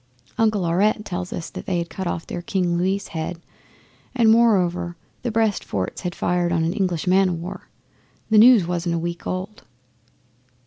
Uncle Aurette tells us that they had cut off their King Louis' head, and, moreover, the Brest forts had fired on an English man o' war. The news wasn't a week old.